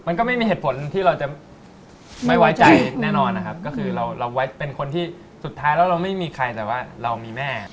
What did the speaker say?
มันก็ไม่มีเหตุผลที่เราจะไม่ไว้ใจแน่นอนนะครับก็คือเราไว้เป็นคนที่สุดท้ายแล้วเราไม่มีใครแต่ว่าเรามีแม่